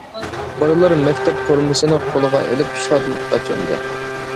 بالىلار مەكتەپ فورمىسىنى قولىغا ئېلىپ شادلىققا چۆمدى.